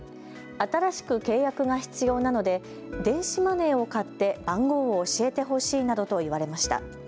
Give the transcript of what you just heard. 新しく契約が必要なので電子マネーを買って番号を教えてほしいなどと言われました。